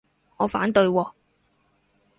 我反對喎